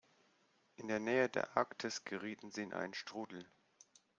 In der Nähe der Arktis gerieten sie in einen Strudel.